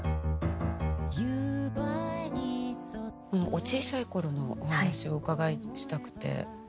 お小さい頃のお話をお伺いしたくて。